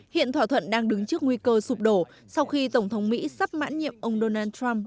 hiện thỏa thuận đang đứng trước nguy cơ sụp đổ sau khi tổng thống mỹ sắp mãn nhiệm ông donald trump